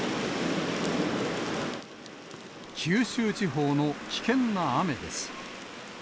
九州地方の危険な雨です。